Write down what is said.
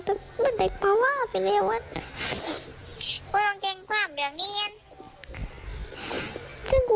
เพื่อนบอก